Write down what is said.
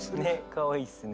かわいいっすね！